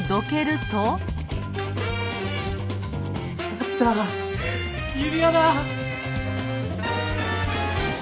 あった指輪だ！